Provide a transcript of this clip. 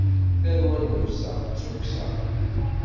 Terwa llebsa d tukksa.